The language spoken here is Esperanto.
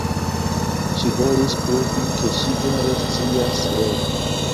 Ŝi volis pruvi, ke ŝi vere scias roli.